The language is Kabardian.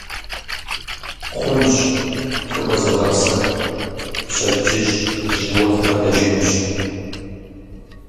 Хъунщ, фыкӀуэ, зывгъэпсэху, пщэдджыжь жьыуэ фыкъэтэджынущ.